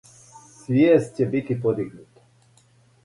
Свијест ће бити подигнута.